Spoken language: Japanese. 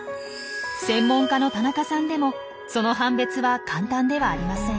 専門家の田中さんでもその判別は簡単ではありません。